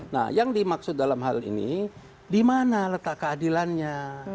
nah yang dimaksud dalam hal ini di mana letak keadilannya